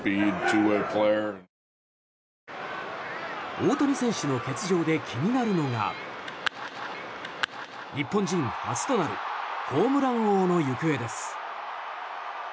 大谷選手の欠場で気になるのが日本人初となるホームラン王の行方です。